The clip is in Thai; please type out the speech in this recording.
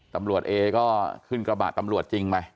ตำรวจเอ๊ก็ขึ้นกระบาดตำรวจจริงไหม